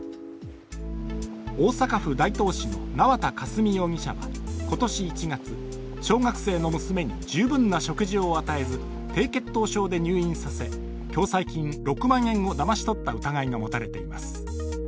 大阪府大東市の縄田佳純容疑者は今年１月、小学生の娘に十分な食事を与えず低血糖症で入院させ共済金６万円をだまし取った疑いが持たれています。